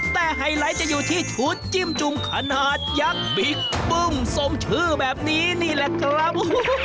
แต่ไฮไลท์จะอยู่ที่ชุดจิ้มจุ่มขนาดยักษ์บิ๊กปึ้มสมชื่อแบบนี้นี่แหละครับ